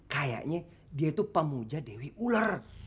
kayaknya dia tuh pamuja dewi ular